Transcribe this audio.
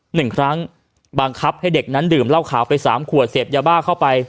หนึ่งครั้งบังคับให้เด็กนั้นดื่มเหล้าขาวไปสามขวดเสพยาบ้าเข้าไป